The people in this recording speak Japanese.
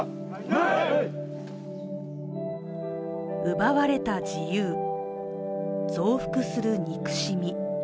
奪われた自由、増幅する憎しみ。